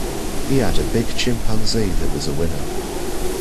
He had a big chimpanzee that was a winner.